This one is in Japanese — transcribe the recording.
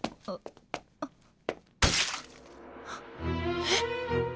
あっあっ